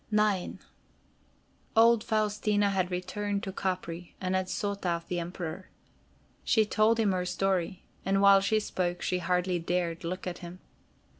IX Old Faustina had returned to Capri and had sought out the Emperor. She told him her story, and while she spoke she hardly dared look at him.